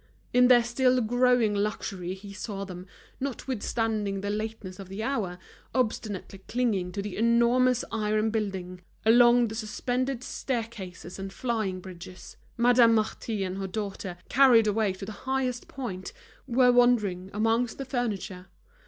In their still growing luxury, he saw them, notwithstanding the lateness of the hour, obstinately clinging to the enormous iron building, along the suspended staircases and flying bridges. Madame Marty and her daughter, carried away to the highest point, were wandering amongst the furniture.